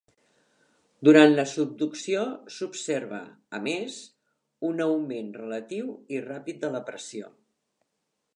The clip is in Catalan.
Durant la subducció s'observa, a més, un augment relatiu i ràpid de la pressió.